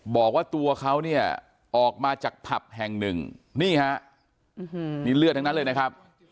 บอกว่าตัวเขาเนี่ยออกมาจากผับแห่งหนึ่งนี่ฮะนี่เลือดทั้งนั้นเลยนะครับ